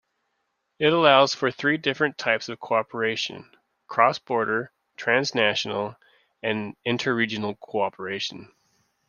It allows for three different types of cooperation: cross-border, transnational and interregional cooperation.